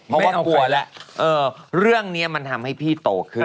เพราะว่ากลัวแล้วเรื่องนี้มันทำให้พี่โตขึ้น